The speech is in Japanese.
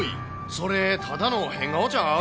それ、ただの変顔ちゃう？